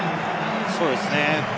そうですね。